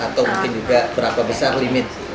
atau mungkin juga berapa besar limit